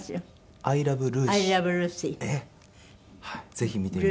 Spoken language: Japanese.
ぜひ見てみます。